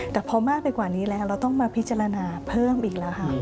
แต่พอมากไปกว่านี้แล้วเราต้องมาพิจารณาเพิ่มอีกแล้วค่ะ